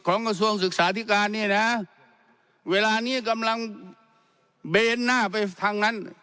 กระทรวงศึกษาธิการเนี่ยนะเวลานี้กำลังเบนหน้าไปทางนั้น